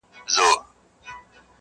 او خواهش مي وکړ